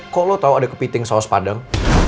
kok lo tau ada kepiting saus padang